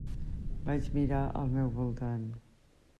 Vaig mirar al meu voltant.